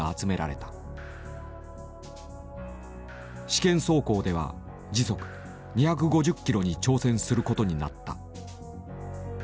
試験走行では時速２５０キロに挑戦することになった。